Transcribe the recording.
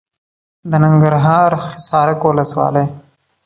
د ننګرهار حصارک ولسوالي .